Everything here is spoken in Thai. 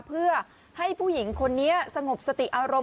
เพื่อให้ผู้หญิงคนนี้สงบสติอารมณ์